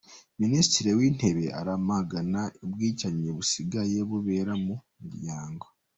Minisitiri w’Intebe aramagana ubwicanyi busigaye bubera mu miryango